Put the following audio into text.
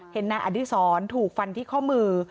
เห็นอาทิสรทรัพยาบาลถูกฟันที่ข้อมือ